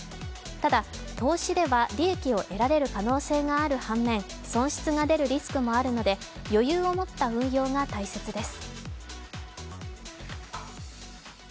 ただ、投資では利益を得られる可能性がある反面損失が出るリスクもあるので余裕を持った運用が大切です。